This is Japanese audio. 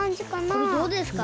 これどうですか？